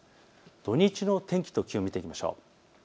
土日の天気と気温を見ていきましょう。